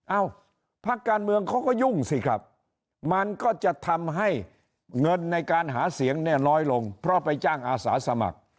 เอ้าพักการเมืองเขาก็ยุ่งสิครับมันก็จะทำให้เงินในการหาเสียงเนี่ยน้อยลงเพราะไปจ้างอาสาสมัคร